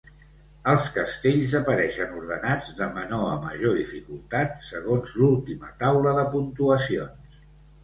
Els castells apareixen ordenats de menor a major dificultat, segons l'última Taula de Puntuacions.